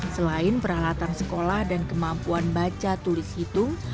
selain peralatan sekolah dan kemampuan baca tulis hitung